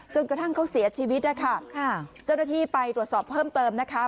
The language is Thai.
กระทั่งเขาเสียชีวิตนะคะค่ะเจ้าหน้าที่ไปตรวจสอบเพิ่มเติมนะคะ